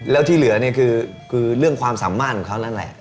แล้วที่เหลือคือความสามารถของเขานั่นแหละ